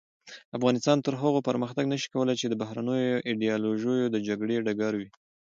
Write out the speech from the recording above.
افغانستان تر هغو پرمختګ نشي کولای چې د بهرنیو ایډیالوژیو د جګړې ډګر وي.